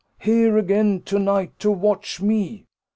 Here again to night to watch me?